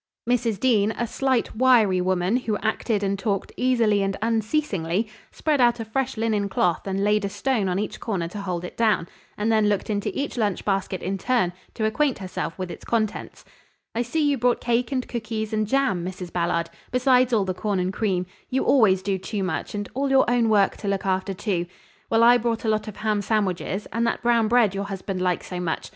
Mrs. Dean, a slight, wiry woman, who acted and talked easily and unceasingly, spread out a fresh linen cloth and laid a stone on each corner to hold it down, and then looked into each lunch basket in turn, to acquaint herself with its contents. "I see you brought cake and cookies and jam, Mrs. Ballard, besides all the corn and cream you always do too much, and all your own work to look after, too. Well, I brought a lot of ham sandwiches and that brown bread your husband likes so much.